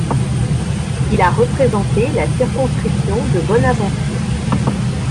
Il a représenté la circonscription de Bonaventure.